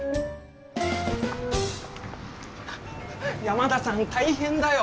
山田さん大変だよ！